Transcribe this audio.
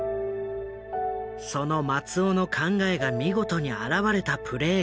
その松尾の考えが見事に現れたプレーがある。